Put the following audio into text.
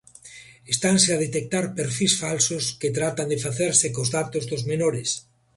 Estanse a detectar perfís falsos que tratan de facerse cos datos dos menores.